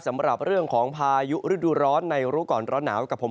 สำหรับเรื่องของพายุฤดูร้อนในรู้ก่อนร้อนหนาวกับผม